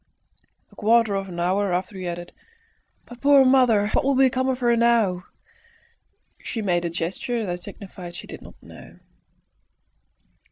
A quarter of an hour after he added, "My poor mother! what will become of her now?" She made a gesture that signified she did not know.